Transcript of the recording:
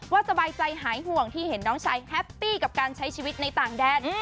สบายใจหายห่วงที่เห็นน้องชายแฮปปี้กับการใช้ชีวิตในต่างแดน